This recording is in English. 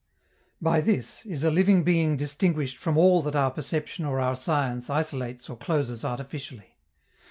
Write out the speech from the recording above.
By this is a living being distinguished from all that our perception or our science isolates or closes artificially.